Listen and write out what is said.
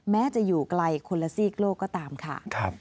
แม้จะอยู่ไกลคนละซีกโลกก็ตามค่ะ